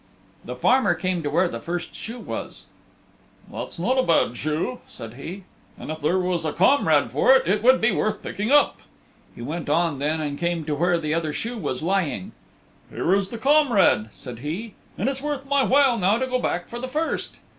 The farmer came to where the first shoe was. "That's not a bad shoe," said he, "and if there was a comrade for it, it would be worth picking up." He went on then and came to where the other shoe was lying. "Here is the comrade," said he, "and it's worth my while now to go back for the first."